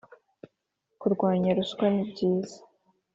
kurwanya ruswa ni byiza.